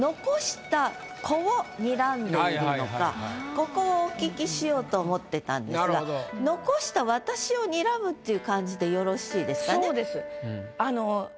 ここをお聞きしようと思ってたんですがっていう感じでよろしいですかね？